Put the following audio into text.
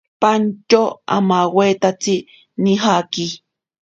Pantyo amawaitatsi nijaki.